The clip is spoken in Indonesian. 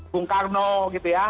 bung karno gitu ya